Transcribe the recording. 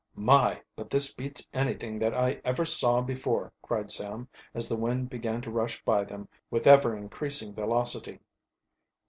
"My, but this beats anything that I ever saw before!" cried Sam, as the wind began to rush by them with ever increasing velocity.